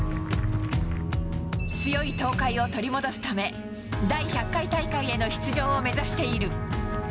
強い東海を取り戻すため、第１００回大会への出場を目指している。